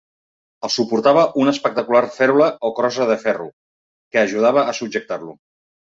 El suportava una espectacular fèrula o crossa de ferro, que ajudava a subjectar-lo.